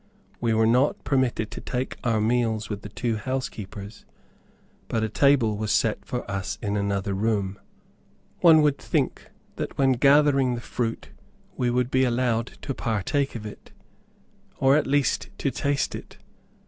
We were not permitted to take our meals with the two housekeepers, but a table was set for us in another room. One would think that when gathering the fruit we would be allowed to partake of it, or at least to taste it.